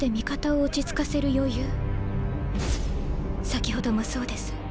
先ほどもそうです。